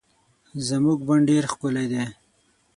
زمونږ بڼ ډير ښکلي دي